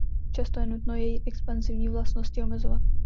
Často je nutno její expanzivní vlastnosti omezovat.